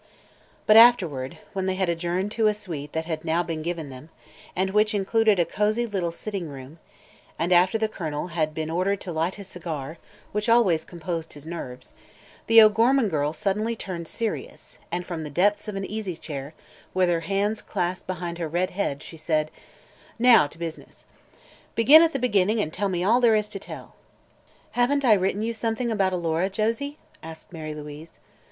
But afterward, when they had adjourned to a suite that had now been given them, and which included a cosy little sitting room, and after the Colonel had been ordered to light his cigar, which always composed his nerves, the O'Gorman girl suddenly turned serious and from the depths of an easy chair, with her hands clasped behind her red head, she said: "Now to business. Begin at the beginning and tell me all there is to tell." "Haven't I written you something about Alora, Josie?" asked Mary Louise.